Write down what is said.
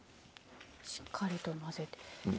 しっかりと混ぜて。